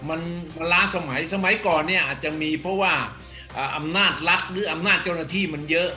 มันล้าสมัยสมัยก่อนเนี่ยอาจจะมีเพราะว่าอำนาจรัฐหรืออำนาจเจ้าหน้าที่มันเยอะ